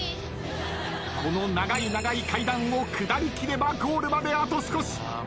この長い長い階段を下りきればゴールまであと少し。